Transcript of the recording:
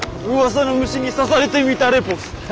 うわさの虫に刺されてみたレポっす。